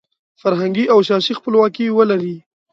فرهنګي او سیاسي خپلواکي ولري.